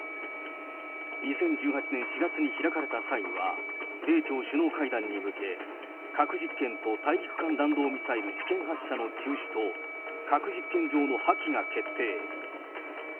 ２０１８年４月に開かれた際には、米朝首脳会談に向け、核実験と大陸間弾道ミサイル試験発射の中止と、核実験場の破棄が決定。